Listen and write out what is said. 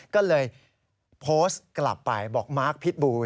ก็เลยโพสต์กลับไปบอกมาร์คพิษบู